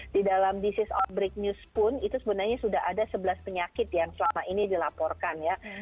di dalam bisnis outbreak news pun itu sebenarnya sudah ada sebelas penyakit yang selama ini dilaporkan ya